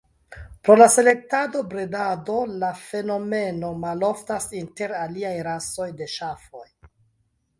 Pro la selektado bredado la fenomeno maloftas inter aliaj rasoj de ŝafoj.